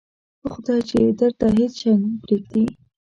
په خدای چې درته هېڅ شی پرېږدي.